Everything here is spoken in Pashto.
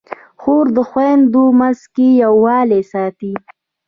خور د خویندو منځ کې یووالی ساتي.